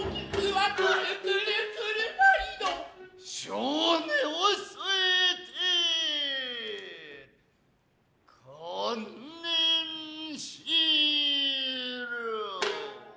性根を据えて観念しろ。